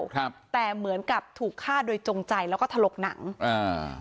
ครับแต่เหมือนกับถูกฆ่าโดยจงใจแล้วก็ถลกหนังอ่า